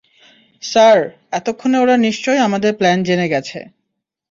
Sir, এতক্ষণে ওরা নিশ্চয়ই আমাদের প্ল্যান জেনে গেছে।